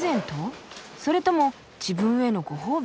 それとも自分へのご褒美？